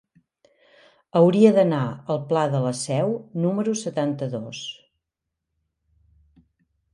Hauria d'anar al pla de la Seu número setanta-dos.